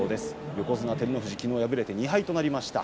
横綱照ノ富士きのう敗れて２敗となりました。